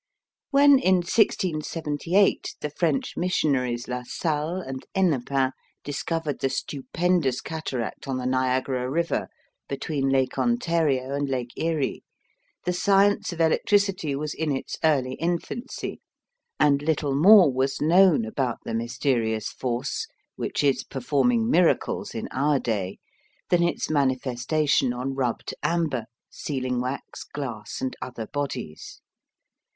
When in 1678 the French missionaries La Salle and Hennepin discovered the stupendous cataract on the Niagara River between Lake Ontario and Lake Erie, the science of electricity was in its early infancy, and little more was known about the mysterious force which is performing miracles in our day than its manifestation on rubbed amber, sealing wax, glass, and other bodies.